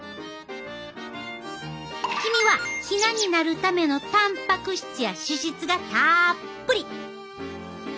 黄身はヒナになるためのたんぱく質や脂質がたっぷり！